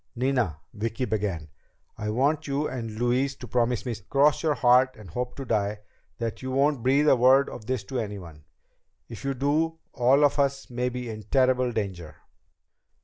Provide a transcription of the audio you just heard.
"Nina," Vicki began, "I want you and Louise to promise me cross your heart and hope to die that you won't breathe a word of this to anyone. If you do, all of us may be in terrible danger."